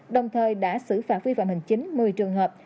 đồng thời đã xử phạt vi phạm hình chính một mươi trường hợp